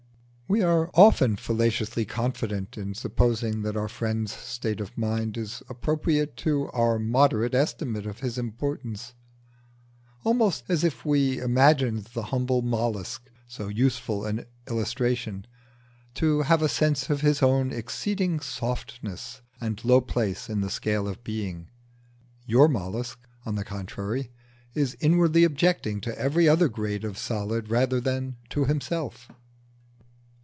We are often fallaciously confident in supposing that our friend's state of mind is appropriate to our moderate estimate of his importance: almost as if we imagined the humble mollusc (so useful as an illustration) to have a sense of his own exceeding softness and low place in the scale of being. Your mollusc, on the contrary, is inwardly objecting to every other grade of solid rather than to himself.